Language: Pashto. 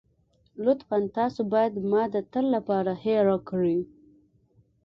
لطفاً تاسو بايد ما د تل لپاره هېره کړئ.